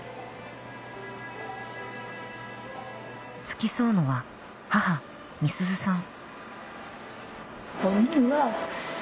付き添うのは母・美鈴さん